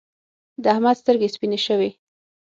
د احمد سترګې سپينې شوې.